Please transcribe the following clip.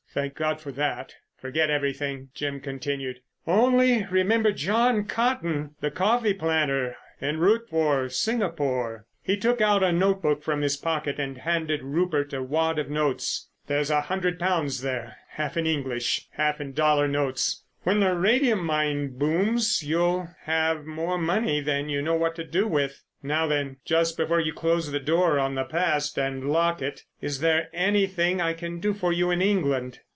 "Thank God for that." "Forget everything," Jim continued. "Only remember John Cotton, the coffee planter, en route for Singapore." He took out a note book from his pocket and handed Rupert a wad of notes. "There's a hundred pounds there, half in English, half in dollar notes. When the radium mine booms you'll have more money than you know what to do with. Now then, just before you close the door on the past and lock it, is there anything I can do for you in England?"